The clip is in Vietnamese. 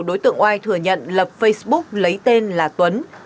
đối tượng oai thừa nhận lập facebook lấy tên là tuấn